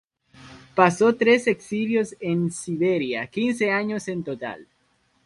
Pasó tres exilios en Siberia, quince años en total.